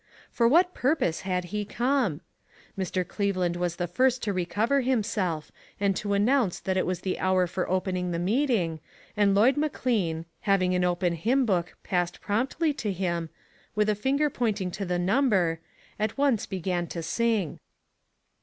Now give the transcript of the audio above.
For what pur pose had he come ? Mr. Cleveland was the first to recover himself, and to announce that it was the hour for opening the meeting, and Lloyd McLean, having an open hymn book passed promptly to him, with a finger pointing to the number, at once began, to sing.